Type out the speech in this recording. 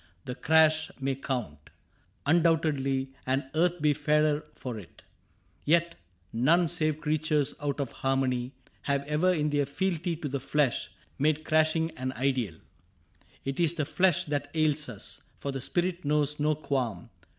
The crash may count, 58 CAPTAIN CRAIG Undoubtedly, and earth be fairer for it ; Yet none save creatures out of harmony Have ever, in their fealty to the flesh, Made crashing an ideal. It is the flesh That ails us, for the spirit knows no qualm.